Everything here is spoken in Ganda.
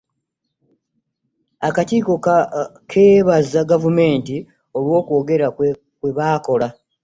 Akakiiko keebaza Gavumenti olw’okwogera kwe baakola.